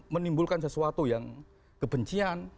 menimbulkan sesuatu yang kebencian